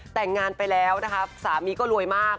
แต่งงานไปแล้วนะคะสามีก็รวยมาก